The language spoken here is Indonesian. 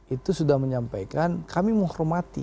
itu sudah menyampaikan kami menghormati